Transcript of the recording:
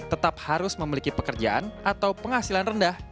tetap harus memiliki pekerjaan atau penghasilan rendah